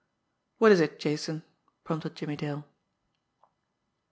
"What is it, Jason?" prompted Jimmie Dale.